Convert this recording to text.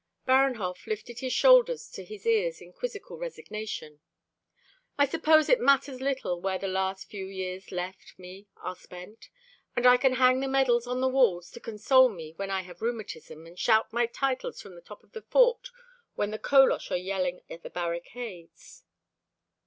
Baranhov lifted his shoulders to his ears in quizzical resignation. "I suppose it matters little where the last few years left me are spent, and I can hang the medals on the walls to console me when I have rheumatism, and shout my titles from the top of the fort when the Kolosh are yelling at the barricades."